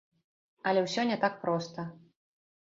Але ўсё не так проста.